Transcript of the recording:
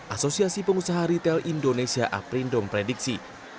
asosiasi pengusaha retail indonesia aprindom prediksi